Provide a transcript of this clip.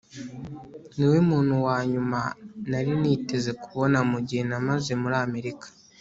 niwe muntu wa nyuma nari niteze kubona mugihe namaze muri amerika